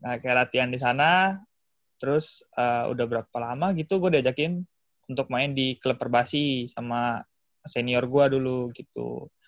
nah kayak latihan di sana terus udah berapa lama gitu gue diajakin untuk main di klub perbasi sama senior gue dulu gitu